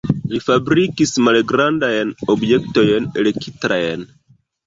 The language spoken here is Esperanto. Li fabrikis malgrandajn objektojn elektrajn.